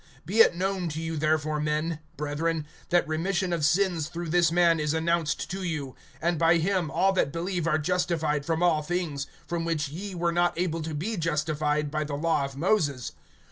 (38)Be it known to you therefore, men, brethren, that remission of sins through this man is announced to you; (39)and by him all that believe are justified from all things, from which ye were not able to be justified by the law of Moses.